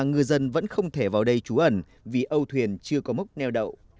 ngư dân vẫn không thể vào đây trú ẩn vì âu thuyền chưa có mốc neo đậu